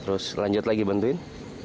terus lanjut lagi bantuin